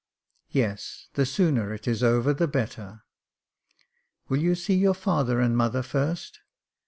"*' Yes ; the sooner it is over the better." "Will you see your father and mother first?'